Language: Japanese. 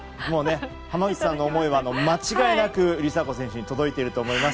浜口さんの思いは間違いなく梨紗子選手に届いていると思います。